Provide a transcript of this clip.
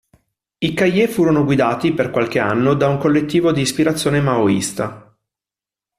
I "Cahiers" furono guidati, per qualche anno, da un collettivo di ispirazione maoista.